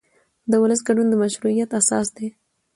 د ولس ګډون د مشروعیت اساس دی